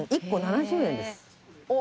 １個７０円です。